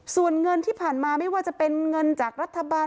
ส่วนเงินที่ผ่านมาเข้ามาไม่ว่าจะได้จากรัฐบาล